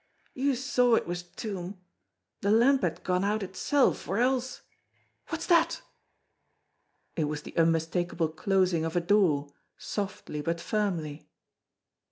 "You saw it was toom. The lamp had gone out itself, or else what's that?" It was the unmistakable closing of a door, softly but firmly.